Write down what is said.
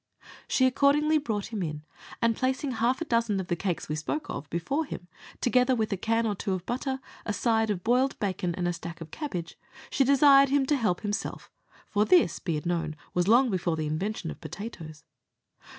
She accordingly brought him in, and placing half a dozen of the cakes we spoke of before him, together with a can or two of butter, a side of boiled bacon, and a stack of cabbage, she desired him to help himself for this, be it known, was long before the invention of potatoes.